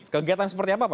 kegiatan seperti apa pak